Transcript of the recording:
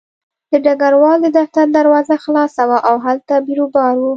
د ډګروال د دفتر دروازه خلاصه وه او هلته بیروبار و